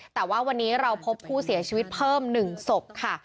แต่ว่าวันนี้เราพบผู้เสียชีวิตเพิ่ม๑ศพค่ะ